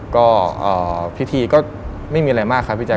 ก็พิธีก็ไม่มีอะไรมากครับพี่แจ